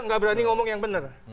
nggak berani ngomong yang benar